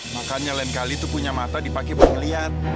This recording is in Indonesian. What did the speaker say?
makanya lain kali tuh punya mata dipake buat ngeliat